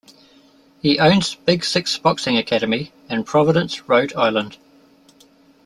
He owns Big Six Boxing Academy in Providence, Rhode Island.